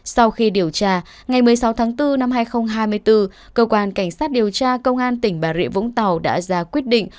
sau khi điều tra ngày một mươi sáu tháng bốn năm hai nghìn hai mươi bốn cơ quan cảnh sát điều tra công an tỉnh bà rịa vũng tàu đã ra quyết định